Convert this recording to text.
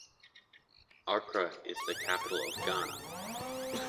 Accra is the capital of Ghana.